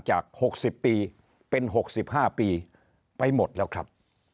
จาก๖๐ปีเป็น๖๕ปีไปหมดแล้วครับ